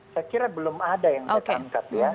saya kira belum ada yang ditangkap ya